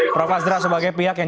prof asdra sebagai pihak yang